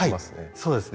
そうですね。